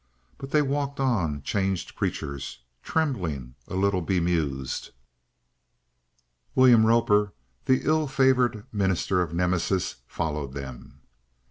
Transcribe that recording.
But they walked on, changed creatures trembling, a little bemused. William Roper, the ill favoured minister of Nemesis, followed them.